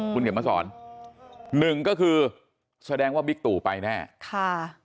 คุณเข็มมาสอนหนึ่งก็คือแสดงว่าบิ๊กตู่ไปแน่ค่ะ